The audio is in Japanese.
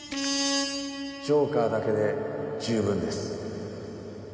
ジョーカーだけで十分です。